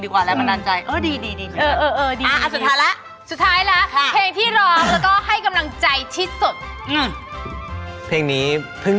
ก็คือเล่นเพลงคนอื่นไม่เหมือน